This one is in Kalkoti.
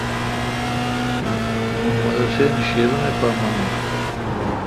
محمد حسین شیرونی پا مانوس۔